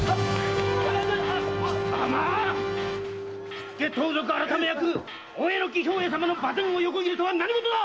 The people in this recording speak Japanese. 火付盗賊改役・大榎兵衛様の馬前を横切るとは何ごとだ！